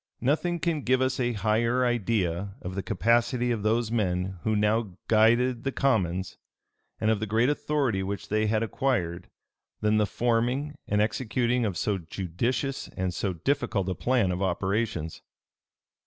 Nothing can give us a higher idea of the capacity of those men who now guided the commons, and of the great authority which they had acquired, than the forming and executing of so judicious and so difficult a plan of operations.